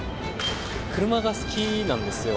車が好きなんですよ。